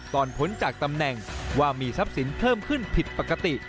พ้นจากตำแหน่งว่ามีทรัพย์สินเพิ่มขึ้นผิดปกติ